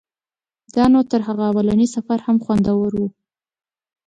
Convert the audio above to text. دا نو تر هغه اولني سفر هم خوندور و.